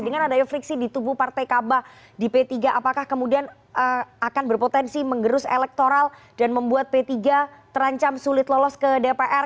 dengan adanya friksi di tubuh partai kabah di p tiga apakah kemudian akan berpotensi mengerus elektoral dan membuat p tiga terancam sulit lolos ke dpr